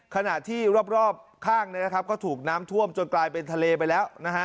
ขณะที่รอบข้างก็ถูกน้ำท่วมจนกลายเป็นทะเลไปแล้วนะฮะ